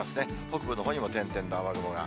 北部のほうにも点々と雨雲が。